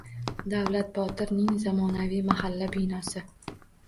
“Davlatbotir”ning zamonaviy mahalla binosi